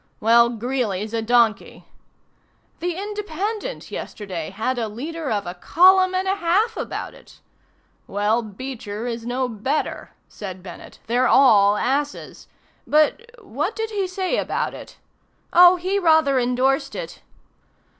"Well, Greeley's a donkey." "The 'Independent' yesterday had a leader of a column and a half about it." "Well, Beecher is no better," said Bennett. "They're all asses. But what did he say about it?" "Oh, he rather indorsed it."